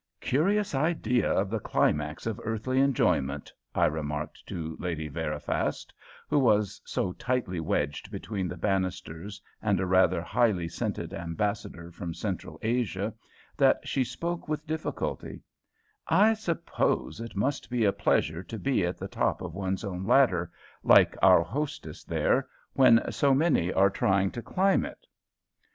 "Curious idea of the climax of earthly enjoyment," I remarked to Lady Veriphast, who was so tightly wedged between the banisters and a rather highly scented ambassador from Central Asia, that she spoke with difficulty; "I suppose it must be a pleasure to be at the top of one's own ladder, like our hostess there, when so many are trying to climb it."